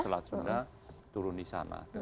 selat sunda turun di sana